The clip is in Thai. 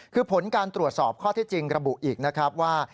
คือผลการตรวจสอบข้อที่จริงระบุอีกนะครับว่า